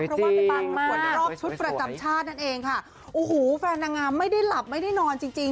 เพราะว่าเป็นบางประกวดในรอบชุดประจำชาตินั่นเองค่ะโอ้โหแฟนนางงามไม่ได้หลับไม่ได้นอนจริงจริง